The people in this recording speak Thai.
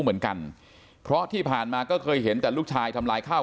เหมือนกันเพราะที่ผ่านมาก็เคยเห็นแต่ลูกชายทำลายข้าว